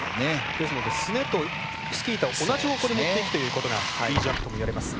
ですのですねとスキー板を同じ方向に持っていくということがいいジャンプともいわれます。